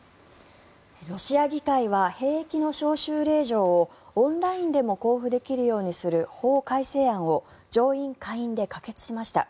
ロシア議会は兵役の招集令状をオンラインでも交付できるようにする法改正案を上院・下院で可決しました。